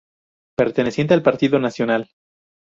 Perteneciente al Partido Nacional.